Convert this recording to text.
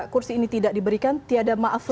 kursi ini tidak diberikan tiada maaf